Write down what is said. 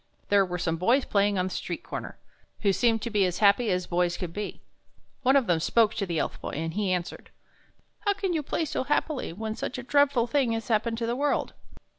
There were some boys playing on the street comer, who seemed to be as happy as boys could be. One of them spoke to the Elf Boy, and he answered : 28 THE BOY WHO DISCOVERED THE SPRING " How can you play so happily, when such a dreadful thing has happened to the world?